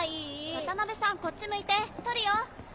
渡辺さんこっち向いて撮るよ！